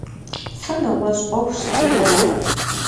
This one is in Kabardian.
Сэ нэгъуэщӏ ӏуэхущ сызыхэтыр.